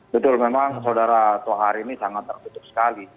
betul memang saudara tohari ini sangat tertutup sekali